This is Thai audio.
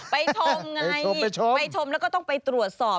ไปชมไงไปชมแล้วก็ต้องไปตรวจสอบ